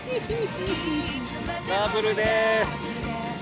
ダブルです。